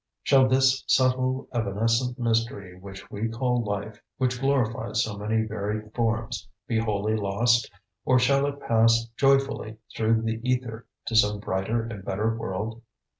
Shall this subtle, evanescent mystery which we call life, which glorifies so many varied forms, be wholly lost, or shall it pass joyfully through the ether to some brighter and better world?